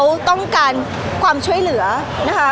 พี่ตอบได้แค่นี้จริงค่ะ